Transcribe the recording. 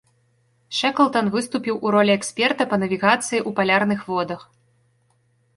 Шэклтан выступіў у ролі эксперта па навігацыі ў палярных водах.